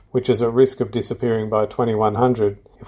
yang beresiko menghilangkan pada tahun dua ribu seratus